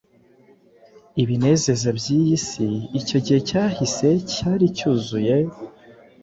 Ibinezeza byisi icyo gihe cyahise cyari cyuzuye